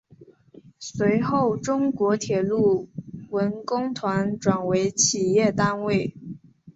随后中国铁路文工团转为企业单位。